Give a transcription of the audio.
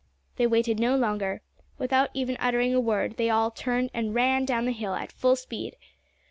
They waited no longer. Without even uttering a word they all turned and ran down the hill at full speed.